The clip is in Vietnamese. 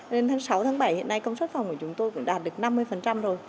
đến tháng sáu tháng bảy hiện nay công suất phòng của chúng tôi cũng đạt được năm mươi rồi